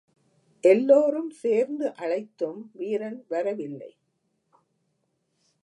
எல்லோரும் சேர்ந்து அழைத்தும் வீரன் வரவில்லை.